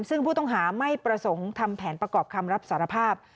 ซึ่งผู้ต้องหาไม่ประสงค์ทำแผนประกอบคำรับสารภาพ